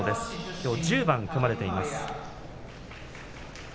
きょう１０番組まれています。